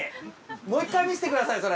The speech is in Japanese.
もう一回見せてくださいそれ。